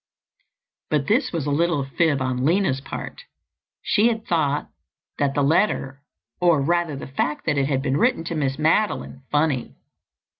But this was a little fib on Lina's part. She had thought that the letter or, rather, the fact that it had been written to Miss Madeline, funny.